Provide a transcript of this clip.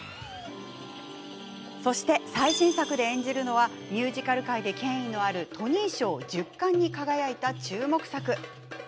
最新作で演じるのはミュージカル界で最も権威のあるトニー賞１０冠に輝いた注目作。